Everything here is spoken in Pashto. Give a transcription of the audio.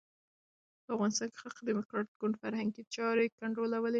په افغانستان کې خلق ډیموکراټیک ګوند فرهنګي چارې کنټرولولې.